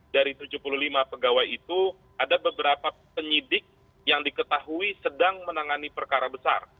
dari tujuh puluh lima pegawai itu ada beberapa penyidik yang diketahui sedang menangani perkara besar